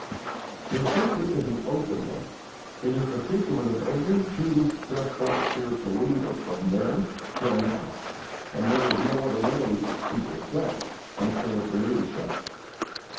Their secret is an open one; it is the secret of every truly successful spiritual leader from then till now, and there is no other way to success in spiritual leadership.